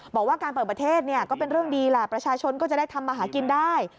บอกว่าการเปิดประเทศก็เป็นเรื่องดีแหละประชาชนก็จะได้ทำมาหากินได้